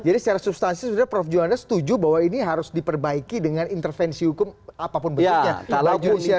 jadi secara substansi sudah prof juwanda setuju bahwa ini harus diperbaiki dengan intervensi hukum apapun berikutnya